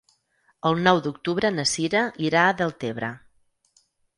El nou d'octubre na Sira irà a Deltebre.